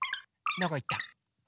どこいった？う？